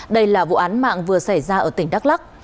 đây là vụ án mạng vừa xảy ra ở tỉnh đắk lắc